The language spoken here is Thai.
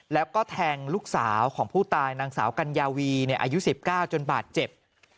แล้วก็แทงลูกสาวของผู้ตายนางสาวกัญญาวีอายุ๑๙จนบาดเจ็บ